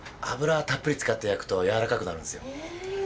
脂たっぷり使って焼くとやわらかくなるんですよ。